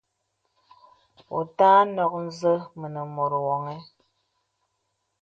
Wɔ ùtà nɔk nzə mənə mùt wɔŋ.